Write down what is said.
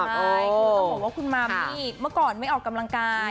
ใช่คือต้องบอกว่าคุณมัมนี่เมื่อก่อนไม่ออกกำลังกาย